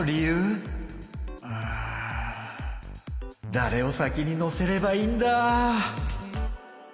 だれを先に乗せればいいんだ？